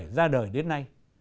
ra đời đến nay